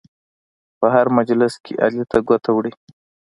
په هر مجلس کې علي ته ګوته وړي.